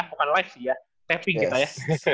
bukan live sih ya taping kita ya